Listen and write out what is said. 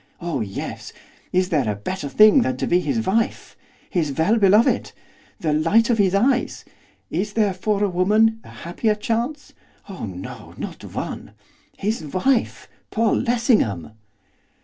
oh yes! Is there a better thing than to be his wife? his well beloved? the light of his eyes? Is there for a woman a happier chance? Oh no, not one! His wife! Paul Lessingham!